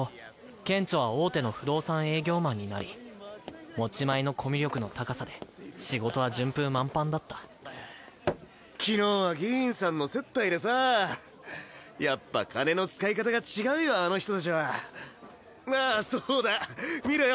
ケンチョは大手の不動産営業マンになり持ち前のコミュ力の高さで仕事は順風満帆だった昨日は議員さんの接待でさぁやっぱ金の使い方が違うよあの人たちはあっそうだ見ろよ